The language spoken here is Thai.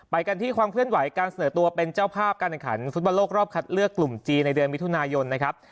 กันที่ความเคลื่อนไหวการเสนอตัวเป็นเจ้าภาพการแข่งขันฟุตบอลโลกรอบคัดเลือกกลุ่มจีนในเดือนมิถุนายนนะครับ